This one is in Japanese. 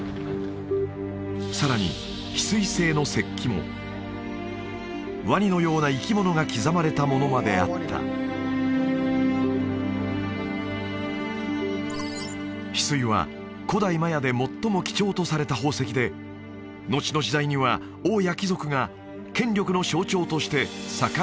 さらに翡翠製の石器もワニのような生き物が刻まれたものまであった翡翠は古代マヤで最も貴重とされた宝石でのちの時代には王や貴族が権力の象徴として盛んに翡翠でできた仮面を作っている